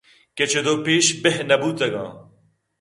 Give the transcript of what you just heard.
کہ چد ءُ پیش بِہ نہ بُوتگاں